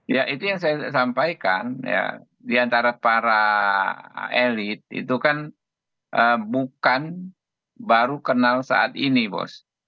ya itu yang saya sampaikan ya diantara para elit itu kan bukan baru kenal saat ini bos